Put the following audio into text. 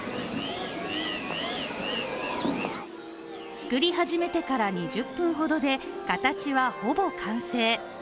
作り始めてから２０分ほどで形はほぼ完成。